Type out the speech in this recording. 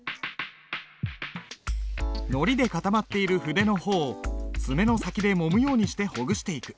のりで固まっている筆の穂を爪の先でもむようにしてほぐしていく。